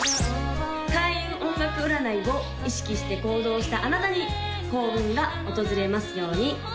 開運音楽占いを意識して行動したあなたに幸運が訪れますように！